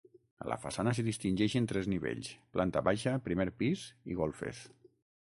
A la façana s'hi distingeixen tres nivells: planta baixa, primer pis i golfes.